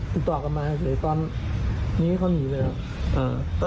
ติดต่อกลับมาให้เสร็จตอนนี้เขานี่เลยอ่ะอ่า